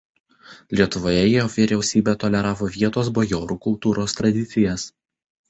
Lietuvoje jo vyriausybė toleravo vietos bajorų kultūros tradicijas.